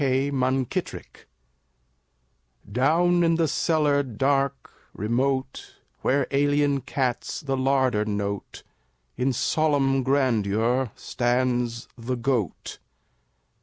K. MUNKITTRICK Down in the cellar dark, remote, Where alien cats the larder note, In solemn grandeur stands the goat.